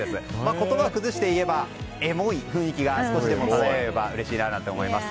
言葉を崩していえばエモい雰囲気が少しでもあればうれしいなと思います。